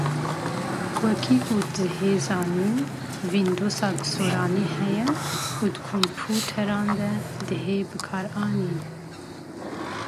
Wekî ku dihê zanîn Wîndowsa bi soranî heye û di kompûteran da dihê bikaranîn.